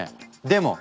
でも！